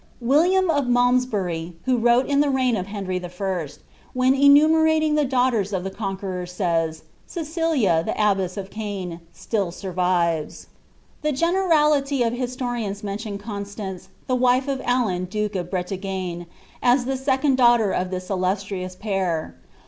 William of Malmsbury, who wrote in the reign of Henry I., when enumerating the daughters of the Conqueror, says, ^ Cecilia the abbess of Caen still survives." The generality of historians mention Constance, the wife of Alan duke of Bretagne, as the second daughter of this illustrious pair.